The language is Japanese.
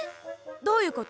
どういうこと？